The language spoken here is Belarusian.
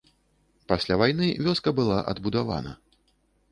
Пасля вайны вёска была адбудавана.